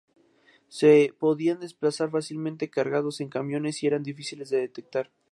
Se podían desplazar fácilmente cargados en camiones y eran difíciles de detectar.